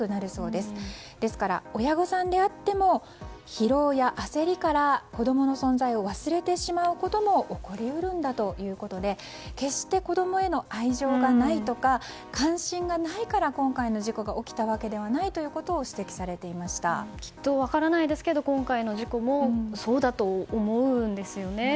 ですから親御さんであっても疲労や焦りから子供の存在を忘れてしまうことも起こり得るんだということで決して子供への愛情がないとか関心がないから今回の事故が起きたわけではないときっと、分からないですけど今回の事故もそうだと思うんですよね。